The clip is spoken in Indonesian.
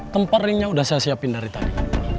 tempat ringnya udah saya siapin dari tadi